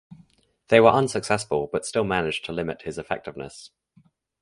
They were unsuccessful but still managed to limit his effectiveness.